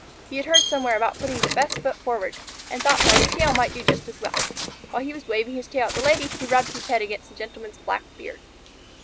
He had heard somewhere about putting the best foot forward, and thought that a tail might do just as well. While he was waving his tail at the Lady he rubbed his head against the Gentleman's black beard.